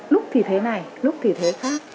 lúc thì thế này lúc thì thế khác